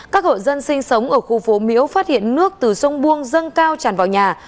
các hộ dân sinh sống ở khu phố miễu phát hiện nước từ sông buông dâng cao tràn vào nhà